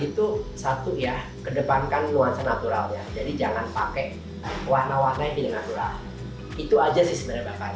itu satu ya kedepankan nuansa naturalnya jadi jangan pakai warna warna yang di natural itu aja sih sebenarnya